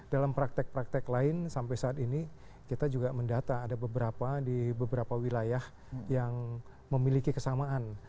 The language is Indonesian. dalam praktek praktek lain sampai saat ini kita juga mendata ada beberapa di beberapa wilayah yang memiliki kesamaan